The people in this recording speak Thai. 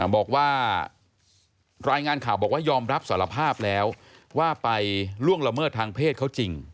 บอกว่ารายงานข่าวบอกว่ายอมรับสารภาพแล้วว่าไปล่วงละเมิดทางเพศเขาจริง